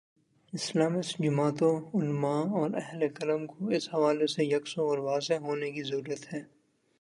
Islamist جماعتوں، علما اور اہل قلم کو اس حوالے سے یکسو اور واضح ہونے کی ضرورت ہے۔